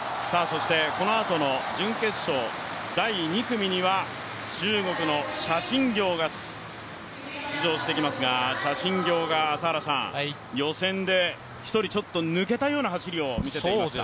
このあとの準決勝第２組には、中国の謝震業が出場してきますが謝震業が予選で１人ちょっと抜けたような走りを見せていました。